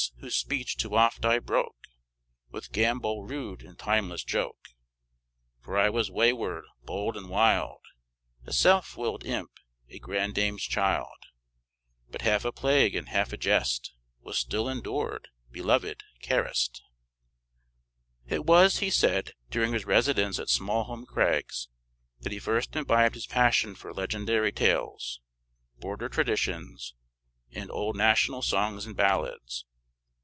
whose speech too oft I broke With gambol rude and timeless joke; For I was wayward, bold, and wild, A self willed imp, a grandame's child; But half a plague, and half a jest, Was still endured, beloved, carest." It was, he said, during his residence at Smallholm crags that he first imbibed his passion for legendary tales, border traditions, and old national songs and ballads.